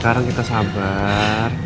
sekarang kita sabar